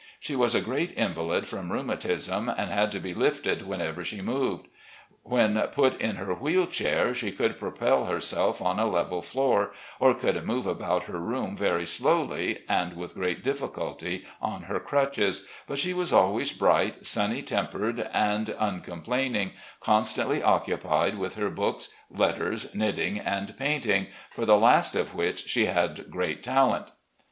She was a great invalid from rheumatism, and had to be lifted whenever she moved. When put in her wheel chair, she could propel herself on a level floor, or could move about her room very slowly and with great difficulty on her crutches, but she was always bright, sunny tempered, and uncomplaining, constantly occupied with her books, letters, knitting, and painting, for the last of which she had great talent.